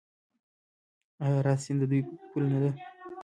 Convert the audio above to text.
آیا اراس سیند د دوی پوله نه ده؟